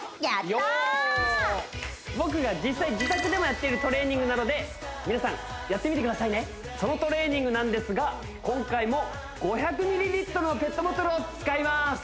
ヨーッ僕が実際自宅でもやっているトレーニングなので皆さんやってみてくださいねそのトレーニングなんですが今回もを使います